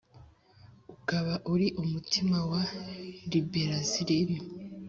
ukaba ari umuti wa libéralisme,